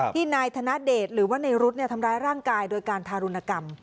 นายธนเดชหรือว่าในรุ๊ดทำร้ายร่างกายโดยการทารุณกรรม